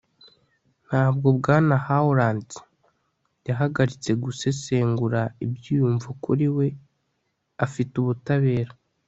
ntabwo bwana howlands yahagaritse gusesengura ibyiyumvo kuri we. afite ubutabera